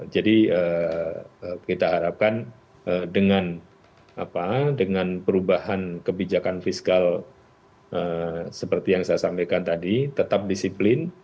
jadi kita harapkan dengan perubahan kebijakan fiskal seperti yang saya sampaikan tadi tetap disiplin